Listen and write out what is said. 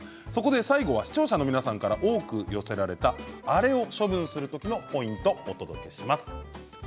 最後は視聴者の皆さんから多く寄せられた、あれを処分する時のポイントをお届けします。